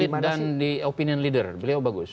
di tingkat elit dan di opinion leader beliau bagus